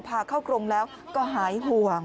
กลับเข้ากันแล้วกัน